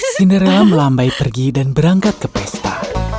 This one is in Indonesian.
cinderella melambai pergi dan berangkat ke pesta